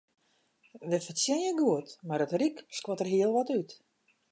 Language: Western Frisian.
Wy fertsjinje goed, mar it ryk skuort der hiel wat út.